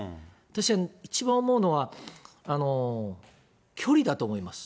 私は一番思うのは、距離だと思います。